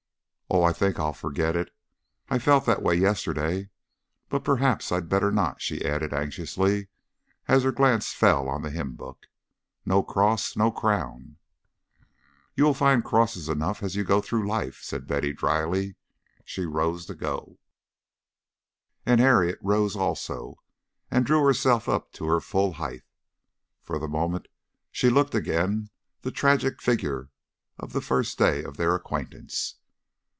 "Oh, I think I'll forget it. I felt that way yesterday. But perhaps I'd better not," she added anxiously, as her glance fell on the hymn book. "No cross, no crown." "You will find crosses enough as you go through life," said Betty, dryly. She rose to go, and Harriet rose also and drew herself up to her full height. For the moment she looked again the tragic figure of the first day of their acquaintance.